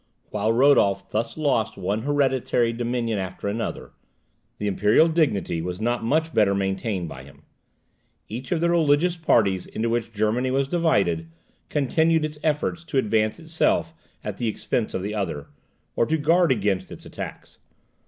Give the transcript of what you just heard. While Rodolph thus lost one hereditary dominion after another, the imperial dignity was not much better maintained by him. Each of the religious parties into which Germany was divided, continued its efforts to advance itself at the expense of the other, or to guard against its attacks.